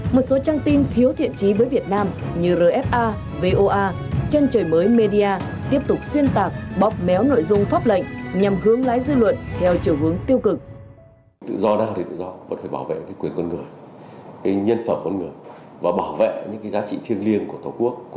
một số trang tin thiếu thiện trí với việt nam như rfa voa chân trời mới media tiếp tục xuyên tạc bóp méo nội dung pháp lệnh nhằm hướng lái dư luận theo chiều hướng tiêu cực